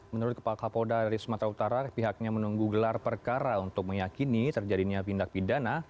menurut kepala kapolda dari sumatera utara pihaknya menunggu gelar perkara untuk meyakini terjadinya tindak pidana